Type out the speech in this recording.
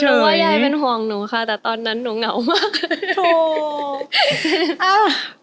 ว่ายายเป็นห่วงหนูค่ะแต่ตอนนั้นหนูเหงามาก